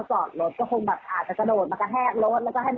ถ้าเราจอดรถก็คงแบบ